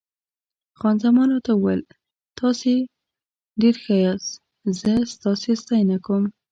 خان زمان راته وویل: تاسي ډېر ښه یاست، زه ستاسي ستاینه کوم.